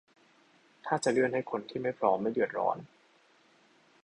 ถ้าจะเลื่อนให้คนที่ไม่พร้อมไม่เดือดร้อน